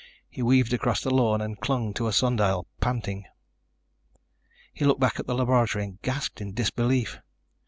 He weaved across the lawn and clung to a sun dial, panting. He looked back at the laboratory and gasped in disbelief.